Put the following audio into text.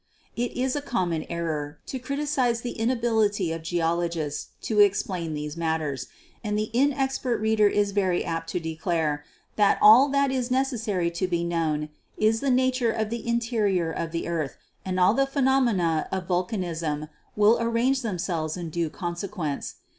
It is a common error to criticize the inability of geolo gists to explain these matters, and the inexpert reader is very apt to declare that all that is necessary to be known is the nature of the interior of the earth and all the phe nomena of vulcanism will arrange themselves in due sequence.